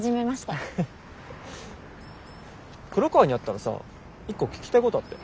黒川に会ったらさ１個聞きたいことあって。